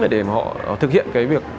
để họ thực hiện cái việc